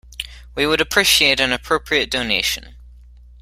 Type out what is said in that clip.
We would appreciate an appropriate donation